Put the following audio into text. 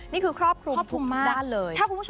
นี่คือครอบครุมคุณบ้านเลย